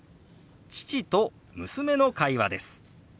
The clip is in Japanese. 父と娘の会話です。